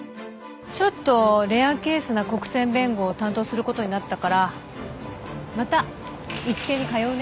ちょっとレアケースな国選弁護を担当することになったからまたイチケイに通うね。